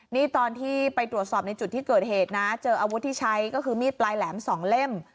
นี่ตอนที่ไปตรวจสอบในจุดที่เกิดเหตุนะเจออาวุธที่ใช้ก็คือมีดปลายแหลม๒เล่ม